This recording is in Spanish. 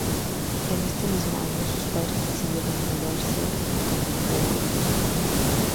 En ese mismo año sus padres decidieron mudarse a Melbourne.